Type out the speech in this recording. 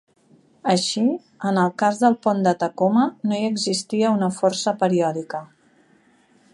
Així, en el cas del pont de Tacoma, no hi existia una força periòdica.